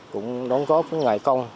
cũng đóng góp ngải công